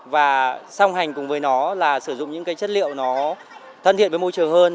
và song hành cùng với nó là sử dụng những cái chất liệu nó thân thiện với môi trường hơn